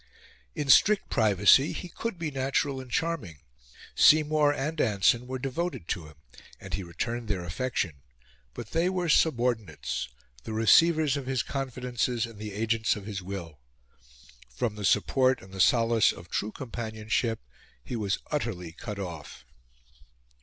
In strict privacy, he could be natural and charming; Seymour and Anson were devoted to him, and he returned their affection; but they were subordinates the receivers of his confidences and the agents of his will. From the support and the solace of true companionship he was utterly cut off.